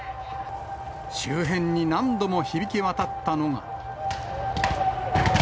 周辺に何度も響き渡ったのが。